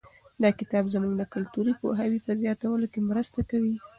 دا کتاب زموږ د کلتوري پوهاوي په زیاتولو کې مرسته کوي.